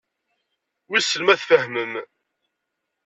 Wissen ma tfehmem.